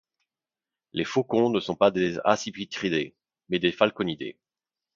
Les faucons ne sont pas des accipitridés, mais des falconidés.